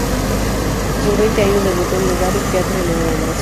A sus veinte años debutó en el "Garrick Theatre" de Londres.